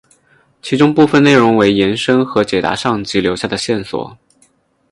其中部分内容为延伸和解答上集留下的线索。